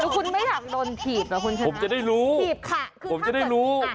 คุณไม่อยากโดนถีบเหรอคุณฉันนะผมจะได้รู้